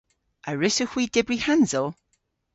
A wrussowgh hwi dybri hansel?